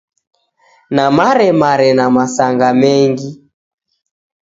Namaremare na masanga mengi